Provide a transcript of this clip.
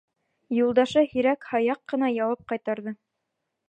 Юлдашы һирәк-һаяҡ ҡына яуап ҡайтарҙы.